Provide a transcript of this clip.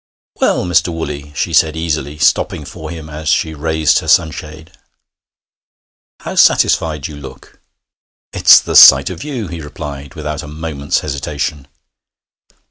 'Well, Mr. Woolley,' she said easily, stopping for him as she raised her sunshade, 'how satisfied you look!' 'It's the sight of you,' he replied, without a moment's hesitation.